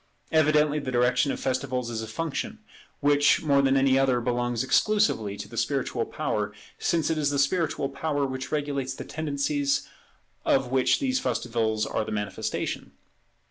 Evidently the direction of festivals is a function which more than any other belongs exclusively to the spiritual power, since it is the spiritual power which regulates the tendencies of which these festivals are the manifestation.